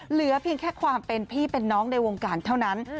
เหลือเพียงแค่ความเป็นพี่เป็นน้องในวงการเท่านั้น